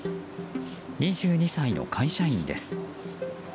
２２歳の会社員です。